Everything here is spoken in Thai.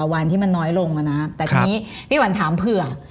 วันที่มันน้อยลงแต่ทีนี้พี่วันถามเผื่อ